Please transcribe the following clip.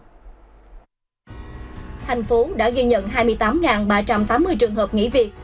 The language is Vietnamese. thành phố đã ghi nhận hai mươi tám ba trăm tám mươi trường hợp nghỉ việc